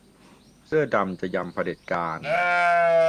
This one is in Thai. เสื้อดำจะยำเผด็จการ